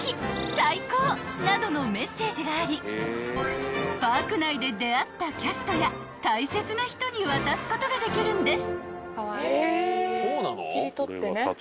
「最高！」などのメッセージがありパーク内で出会ったキャストや大切な人に渡すことができるんです］